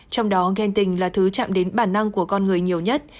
trong đó ghen tình là thứ chạm đến bản năng của con người nhiều nhất